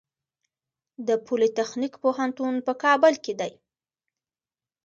د پولي تخنیک پوهنتون په کابل کې دی